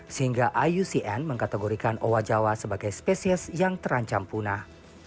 sehingga iucn mengkategorikan owa jawa sebagai spesies yang terancam punah